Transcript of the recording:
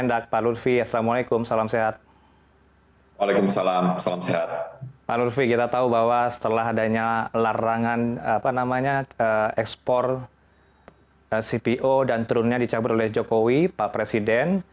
apa namanya ekspor cpo dan turunannya dicabut oleh jokowi pak presiden